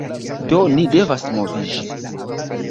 Do ni devas moviĝi.